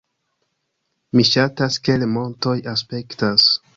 Mi ŝatas kiel montoj aspektas